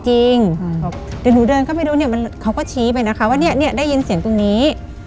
บอกเดี๋ยวหนูเดินเข้าไปดูเนี่ยเขาก็ชี้ไปนะคะว่าเนี่ยได้ยินเสียงตรงนี้